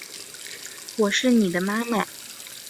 我是妳的妈妈